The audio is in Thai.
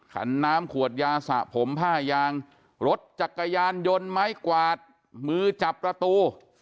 ขันน้ำขวดยาสะผมผ้ายางรถจักรยานยนต์ไม้กวาดมือจับประตู